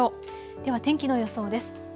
では天気の予想です。